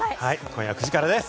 今夜９時からです。